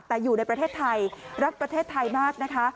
แต่อยู่ในประเทศไทยรักประเทศไทยมากนะคะ